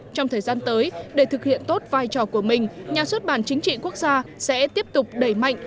trong thời gian tới để thực hiện tốt vai trò của mình nhà xuất bản chính trị quốc gia sẽ tiếp tục đẩy mạnh